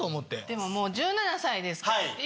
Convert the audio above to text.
でももう１７歳いいですか？